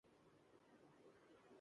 میں آپ کی باتوں سے متفق ہوں